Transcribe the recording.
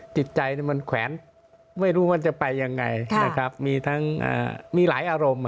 จิตใจมันแขวนไม่รู้มันจะไปยังไงมีหลายอารมณ์